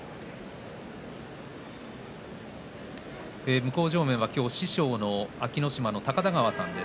向正面は師匠の安芸乃島の高田川さんです。